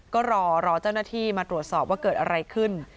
ก็รอเจ้าหน้าที่มาตรวจสอบว่าเกิดอะไรขึ้น